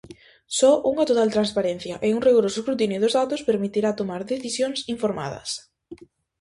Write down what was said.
Só unha total transparencia e un rigoroso escrutinio dos datos permitirá tomar decisións informadas.